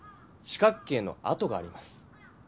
四角形のあとがあります。